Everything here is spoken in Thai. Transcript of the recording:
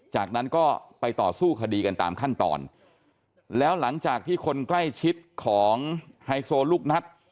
จากนั้นก็ไปต่อสู้คดีกันตามขั้นตอนแล้วหลังจากที่คนใกล้ชิดของไฮโซลูกนัด